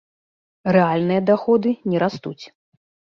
Рэальныя даходы не растуць.